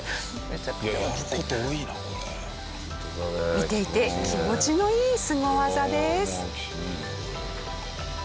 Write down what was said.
見ていて気持ちのいいスゴ技です。